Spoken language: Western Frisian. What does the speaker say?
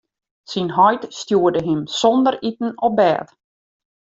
Syn heit stjoerde him sonder iten op bêd.